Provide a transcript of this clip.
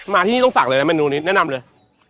ที่นี่ต้องฝากเลยนะเมนูนี้แนะนำเลย